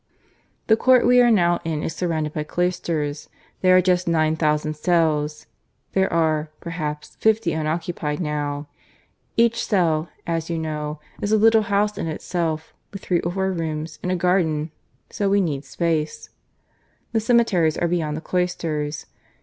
"The court we are now in is surrounded by cloisters. There are just nine thousand cells; there are, perhaps, fifty unoccupied now. Each cell, as you know, is a little house in itself, with three or four rooms and a garden; so we need space. The cemeteries are beyond the cloisters.